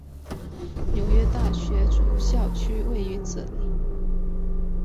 纽约大学主校区位于这里。